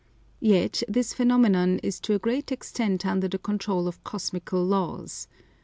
Yet this phenomenon is to a great extent under the control of cosmical laws.